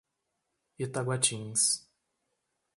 Itaguatins